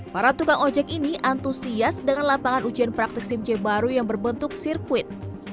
para tukang ojek ini antusias dengan lapangan ujian praktik sim c baru yang berbentuk sirkuit